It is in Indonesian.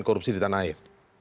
korupsi di tanah air